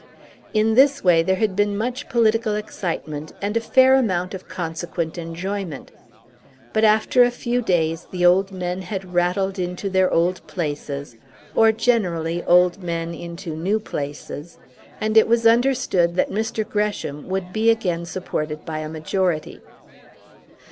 In this way there had been much political excitement, and a fair amount of consequent enjoyment. But after a few days the old men had rattled into their old places, or, generally, old men into new places, and it was understood that Mr. Gresham would be again supported by a majority.